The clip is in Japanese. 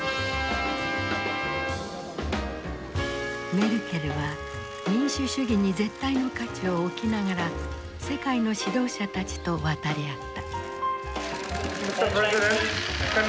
メルケルは民主主義に絶対の価値を置きながら世界の指導者たちと渡り合った。